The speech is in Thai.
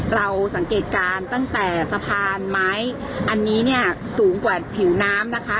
เราสังเกตการณ์ตั้งแต่สะพานไม้อันนี้เนี่ยสูงกว่าผิวน้ำนะคะ